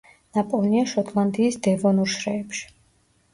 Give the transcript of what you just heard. ნაპოვნია შოტლანდიის დევონურ შრეებში.